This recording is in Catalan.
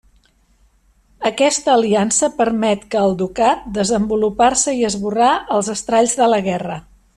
Aquesta aliança permet que al ducat desenvolupar-se i esborrar els estralls de la guerra.